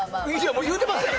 もう言うてますよ！